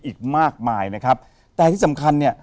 อีกมากมายนะครับแต่ที่สำคัญเนี่ย